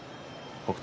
北勝